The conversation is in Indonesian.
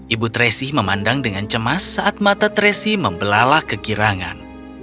ibu tracy memandang dengan cemas saat mata tracy membelala kekirangan